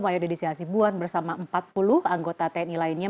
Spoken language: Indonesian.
mayor deddy hasibuan bersama empat puluh anggota tni lainnya